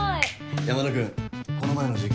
・山田君この前の事件